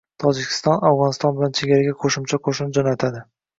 Tojikiston Afg‘oniston bilan chegaraga qo‘shimcha qo‘shin jo‘natadi